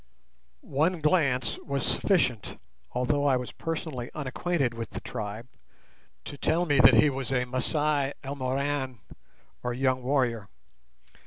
One glance was sufficient—although I was personally unacquainted with the tribe—to tell me that he was a Masai Elmoran, or young warrior.